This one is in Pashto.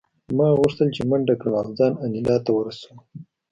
ما غوښتل چې منډه کړم او ځان انیلا ته ورسوم